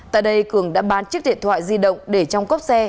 tại đây cường đã bán chiếc điện thoại di động để trong cốc xe